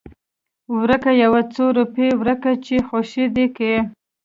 ورکه يو څو روپۍ ورکه چې خوشې دې کي.